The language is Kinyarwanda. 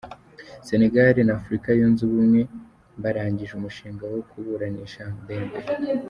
Senegale n’Afurika Yunze Ubumwe barangije umushinga wo kuburanisha Mbembe